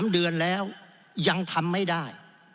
๓เดือนแล้วยังทำไม่ได้